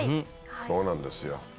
そうなんですよ。